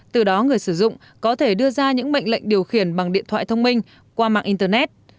từ đó người sử dụng có thể đưa ra những mệnh lệnh điều khiển bằng điện thoại thông minh qua mạng internet